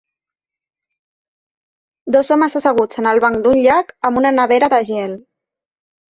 Dos homes asseguts en el banc d'un llac amb una nevera de gel.